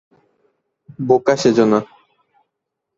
বোকা সেজো না!